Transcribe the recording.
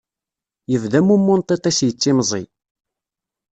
Yebda memmu n tiṭ-is yettimẓi.